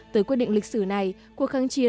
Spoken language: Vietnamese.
tới quyết định lịch sử này cuộc kháng chiến